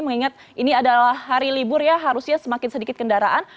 mengingat ini adalah hari libur ya harusnya semakin sedikit kendaraan